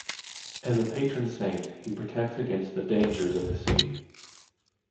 As a patron saint, he protects against the dangers of the sea.